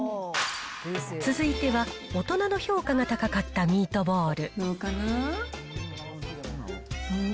続いては、大人の評価が高かったミートボール。